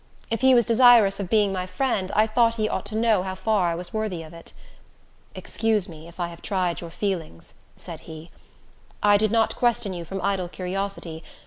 If he was desirous of being my friend, I thought he ought to know how far I was worthy of it. "Excuse me, if I have tried your feelings," said he. "I did not question you from idle curiosity.